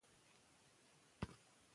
موږ د انټرنېټ له لارې زده کړه کوو.